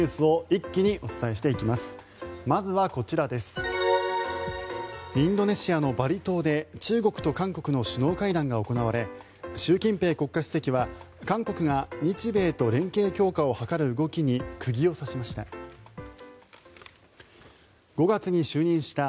インドネシアのバリ島で中国と韓国の首脳会談が行われ習近平国家主席は、韓国が日米と連携強化を図る動きに釘を刺しました。